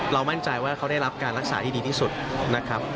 มั่นใจว่าเขาได้รับการรักษาที่ดีที่สุดนะครับ